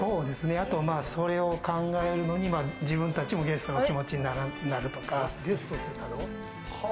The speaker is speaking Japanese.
それを考えるのに自分たちもゲストの気持ちになるとか。